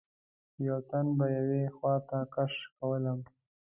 یوه تن به یوې خواته کش کولم.